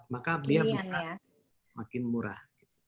maka dia bisa makin murah